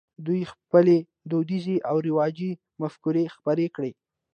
دوی خپلې دودیزې او رواجي مفکورې خپرې کړې.